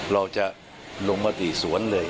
เราจะลงมติสวนเลย